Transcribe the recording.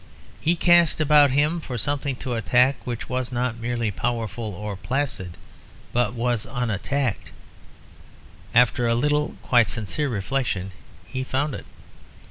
He cast about him for something to attack which was not merely powerful or placid, but was unattacked. After a little quite sincere reflection, he found it.